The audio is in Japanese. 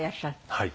はい。